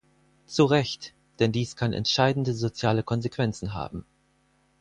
Zu Recht, denn dies kann entscheidende soziale Konsequenzen haben.